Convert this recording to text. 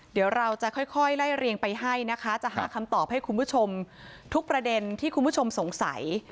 เดี๋ยวเราจะค่อยไล่เรียงไปให้นะคะจะหาคำตอบให้คุณผู้ชมทุกประเด็นที่คุณผู้ชมสงสัย